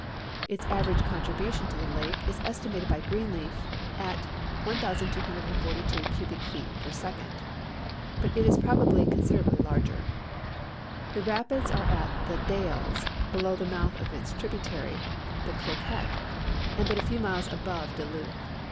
Its average contribution to the lake is estimated b}' Greenleaf* at 1,242 cubic feet per second, but it is probably consi(U'ral)ly larger. The rapids are at the Dalles, below the mouth of its tributary, the Cloquet, and but a few miles above Duluth.